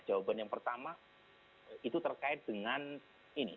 jawaban yang pertama itu terkait dengan ini